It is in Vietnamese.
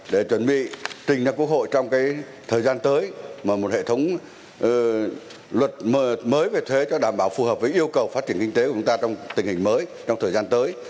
để chuẩn bị trình ra quốc hội trong thời gian tới mà một hệ thống luật mới về thuế cho đảm bảo phù hợp với yêu cầu phát triển kinh tế của chúng ta trong tình hình mới trong thời gian tới